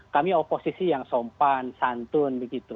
kami oposisi yang sompan santun begitu